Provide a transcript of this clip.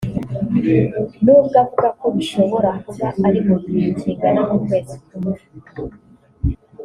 n’ubwo avuga ko bishobora kuba ari mu gihe kingana n’ukwezi kumwe